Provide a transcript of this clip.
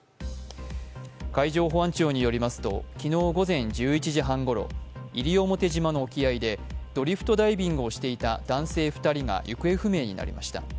海上保安庁によりますと昨日午前１１時半ごろ、西表島の沖合でドリフトダイビングをしていた男性２人が行方不明になりました。